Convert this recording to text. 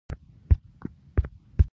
• لور د جنت دروازه ده.